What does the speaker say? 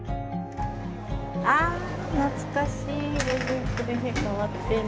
あ懐かしい。